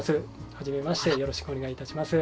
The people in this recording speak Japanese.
初めましてよろしくお願いいたします。